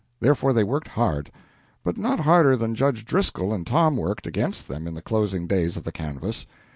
Therefore they worked hard, but not harder than Judge Driscoll and Tom worked against them in the closing days of the canvas.